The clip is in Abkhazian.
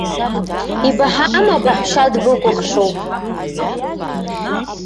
Ибаҳама, баҳәшьа дбыкәыхшоуп?